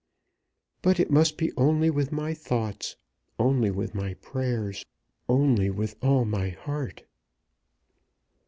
But it must be only with my thoughts, only with my prayers, only with all my heart."